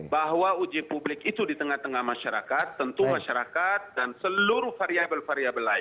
bahwa uji publik itu di tengah tengah masyarakat tentu masyarakat dan seluruh variable variabel lain